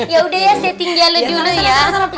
ya udah ya saya tinggalin dulu ya